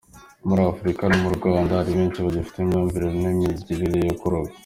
Muri Africa, no mu Rwanda, hari benshi bagifite imyumvire n’imigirire yo kuroga.